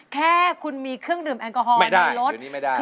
แค่คุณมีเครื่องดื่มแอลกอฮอลในรถ